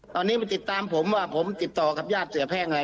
ตอนนี้ไปติดตามผมว่าผมติดต่อกับญาติเสียแพ่งอะไร